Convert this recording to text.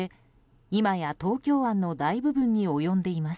今や、東京湾の大部分に及んでいます。